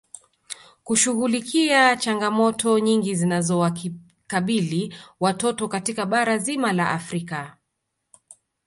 Kushughulikia changamoto nyingi zinazowakabili watoto katika bara zima la Afrika